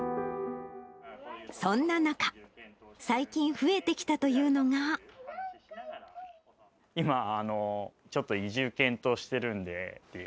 そんな中、最近増えてきたと今、ちょっと移住を検討してるんでっていう。